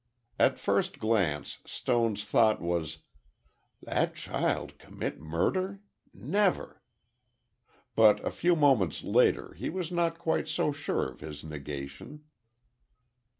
At first glance, Stone's thought was—"That child commit murder? Never!" But a few moments later, he was not quite so sure of his negation.